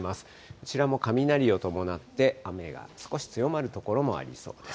こちらも雷を伴って雨が少し強まる所もありそうです。